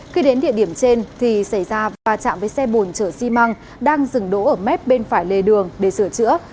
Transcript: khi đến địa điểm trên thì xảy ra va chạm với xe bồn chở xi măng đang dừng đỗ ở mép bên phải lề đường để sửa chữa